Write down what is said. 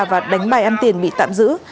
và đánh bài ăn tiền bị tạm giữ